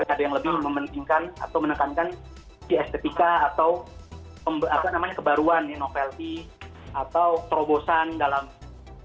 ada yang lebih mementingkan atau menekankan si estetika atau kebaruan nih novelty